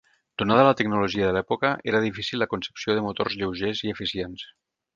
Donada la tecnologia de l'època, era difícil la concepció de motors lleugers i eficients.